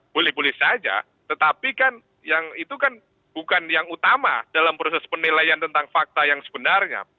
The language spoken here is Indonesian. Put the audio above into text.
boleh boleh saja tetapi kan yang itu kan bukan yang utama dalam proses penilaian tentang fakta yang sebenarnya